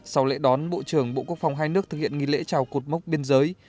sau lễ đón bộ trưởng bộ quốc phòng hai nước thực hiện nghị lễ chào cột mốc biên giới